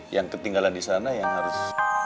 yang ketinggalan disana yang harus